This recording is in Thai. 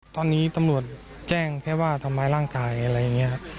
ตอนนี้ตำรวจแจ้งแค่ว่าทำร้ายร่างกายอะไรอย่างนี้ครับ